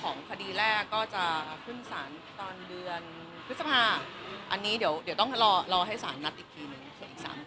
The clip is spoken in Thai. ของคดีแรกก็จะขึ้นสารตอนเดือนพฤษภาอันนี้เดี๋ยวต้องรอให้สารนัดอีกทีนึง